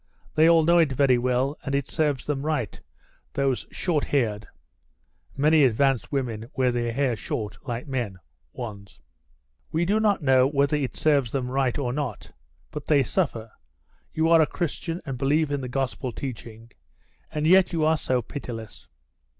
They all know it very well, and it serves them right, those short haired [many advanced women wear their hair short, like men] ones." "We do not know whether it serves them right or not. But they suffer. You are a Christian and believe in the Gospel teaching and yet you are so pitiless."